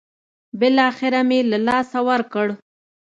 بالاخره مې له لاسه ورکړ.